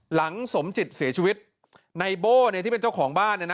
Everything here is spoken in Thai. หลังสมจิตเสียชีวิตไนโบ้ที่เป็นเจ้าของบ้าน